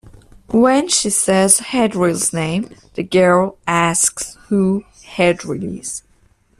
When she says Hedril's name, the girl asks who Hedril is.